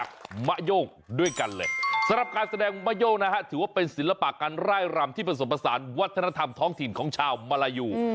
การแสดงมะโย่งนะฮะถือว่าเป็นศิลปะการไล่รำที่ผสมผสานวัฒนธรรมท้องถิ่นของชาวมะลายู